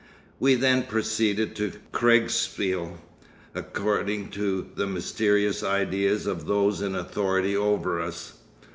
We then proceeded to Kriegspiel, according to the mysterious ideas of those in authority over us.